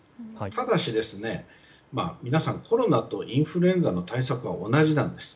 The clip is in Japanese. ただし、皆さんコロナとインフルエンザの対策は同じなんです。